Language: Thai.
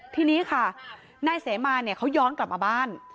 ทีนี้ค่ะนายเสมาเนี่ยเขาย้อนกลับมาบ้าน